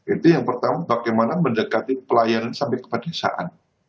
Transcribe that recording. itu yang pertama bagaimana mendekati pelayanan sampai ke pedesaan